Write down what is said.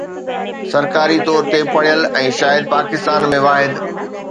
سرڪاري طور تي پڙهيل ۽ شايد پاڪستان ۾ واحد